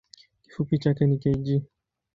Kifupi chake ni kg.